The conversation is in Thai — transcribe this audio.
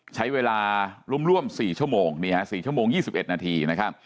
ใช้เวลาร่วม๔ชั่วโมง๔ชั่วโมง๒๑นาทีนะครับ